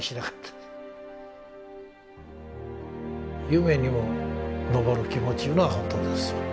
夢にも昇る気持ちいうのは本当ですわ。